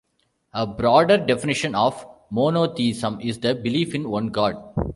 A broader definition of monotheism is the belief in one god.